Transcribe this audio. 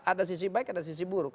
ada sisi baik ada sisi buruk